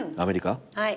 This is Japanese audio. はい。